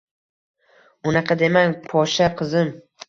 Unaqa demang, Poshsha qizim.